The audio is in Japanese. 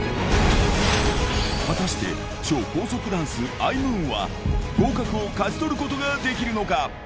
果たして、超高速ダンス、アイムーンは、合格を勝ち取ることができるのか。